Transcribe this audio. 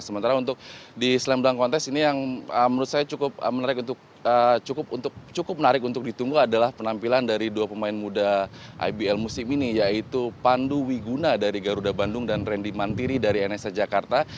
sementara untuk di slam dunk contest ini yang menurut saya cukup menarik untuk ditunggu adalah penampilan dari dua pemain muda ibl musim ini yaitu pandu wiguna dari garuda bandung dan randy mandiri dari nsa jakarta